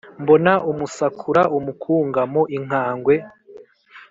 mbona umusakura umukungamo inkangwe,